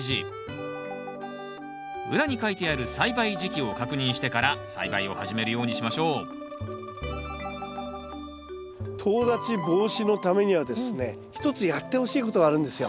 裏に書いてある栽培時期を確認してから栽培を始めるようにしましょうとう立ち防止のためにはですね一つやってほしいことがあるんですよ。